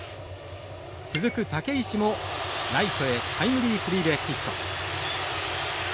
続く武石もライトへタイムリースリーベースヒット。